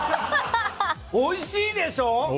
おいしいでしょ？